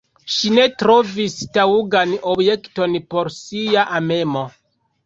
Ŝi ne trovis taŭgan objekton por sia amemo.